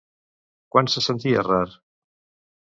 Quan se sentia rar?